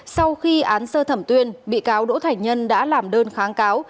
sau khi án sơ thẩm tuyên bị cáo đỗ thành nhân đã làm đơn kháng cáo